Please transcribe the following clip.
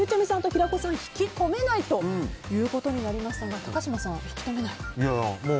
平子さんは引き止めないということになりましたが高嶋さん、引き止めない。